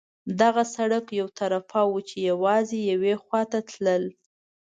دغه سړک یو طرفه وو، چې یوازې یوې خوا ته تلل.